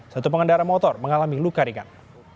satu pengendara motor mengalami luka ringan